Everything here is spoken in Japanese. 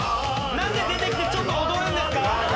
何で出てきてちょっと踊るんですか？